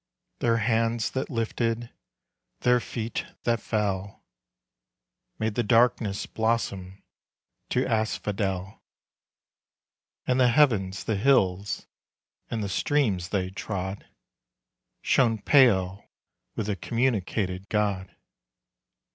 Their hands that lifted, their feet that fell, Made the darkness blossom to asphodel. And the heavens, the hills, and the streams they trod Shone pale with th' communicated God.